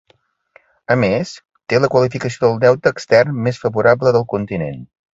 A més, té la qualificació del deute extern més favorable del continent.